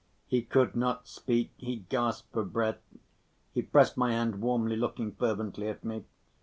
He could not speak, he gasped for breath, he pressed my hand warmly, looking fervently at me.